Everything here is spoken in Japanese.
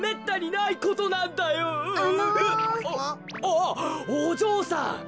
あっおじょうさん。